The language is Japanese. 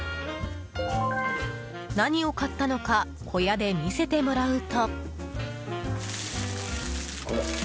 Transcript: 何を買ったのか小屋で見せてもらうと。